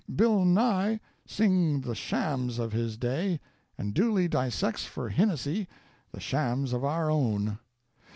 Bill Nye singed the shams of his day and Dooley dissects for Hinnissy the shams of our own.